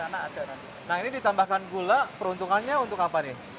nah ini ditambahkan gula peruntungannya untuk apa